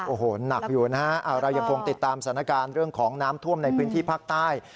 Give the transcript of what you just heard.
โอ้โหหนักอยู่นะฮะเรายังคงติดตามสถานการณ์เรื่องของน้ำท่วมในพื้นที่ภาคใต้